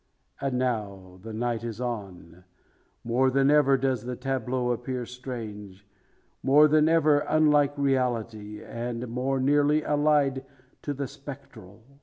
And now, that night is on, more than ever does the tableau appear strange more than ever unlike reality, and more nearly allied to the spectral.